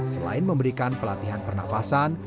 selain memberikan pelatihan pernafasan